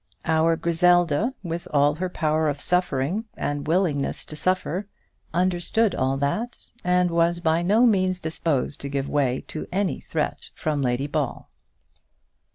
Our Griselda, with all her power of suffering and willingness to suffer, understood all that, and was by no means disposed to give way to any threat from Lady Ball.